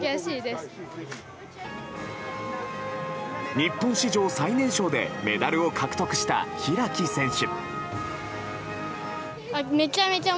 日本史上最年少でメダルを獲得した開選手。